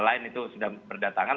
lain itu sudah berdatangan